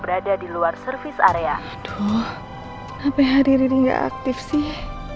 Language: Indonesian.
aduh kenapa ya riri gak aktif sih